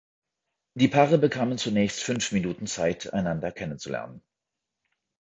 Die Paare bekamen zunächst fünf Minuten Zeit, einander kennenzulernen.